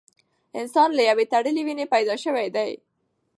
انسان له یوې تړلې وینې پیدا شوی دی.